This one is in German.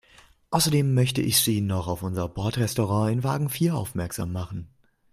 Außerdem möchte ich Sie noch auf unser Bordrestaurant in Wagen vier aufmerksam machen.